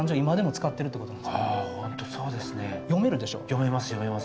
読めます読めます。